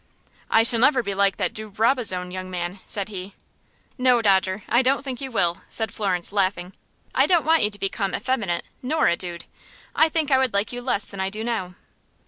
"I shall never be like that de Brabazon young man," said he. "No, Dodger; I don't think you will," said Florence, laughing. "I don't want you to become effeminate nor a dude. I think I would like you less than I do now."